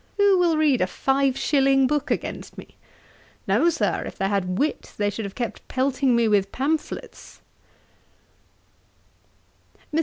Who will read a five shilling book against me? No, Sir, if they had wit, they should have kept pelting me with pamphlets.' 'MR.